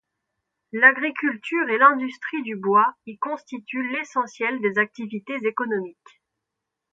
L'agriculture et l'industrie du bois y constituent l'essentiel des activités économiques.